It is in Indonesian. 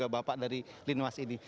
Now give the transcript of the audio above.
bapak dari linnwas ini